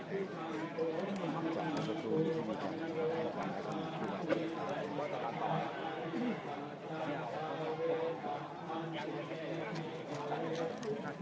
มีผู้ที่ได้รับบาดเจ็บและถูกนำตัวส่งโรงพยาบาลเป็นผู้หญิงวัยกลางคน